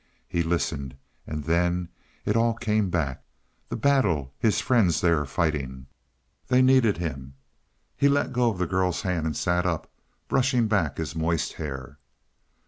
He listened, and then it all came back. The battle his friends there fighting they needed him. He let go of the girl's hand and sat up, brushing back his moist hair.